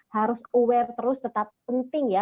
harus aware terus tetap penting ya